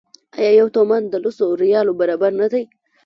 آیا یو تومان د لسو ریالو برابر نه دی؟